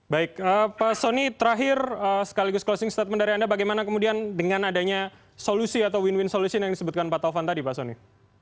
baik pak soni terakhir sekaligus closing statement dari anda bagaimana kemudian dengan adanya solusi atau win win solution yang disebutkan pak taufan tadi pak soni